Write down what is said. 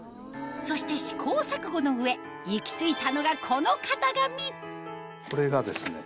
そして試行錯誤の上行き着いたのがこの型紙これがですね